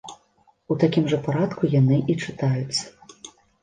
У такім жа парадку яны і чытаюцца.